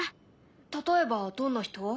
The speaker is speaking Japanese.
例えばどんな人？